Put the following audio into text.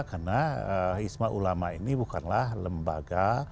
karena ijma ulama ini bukanlah lembaga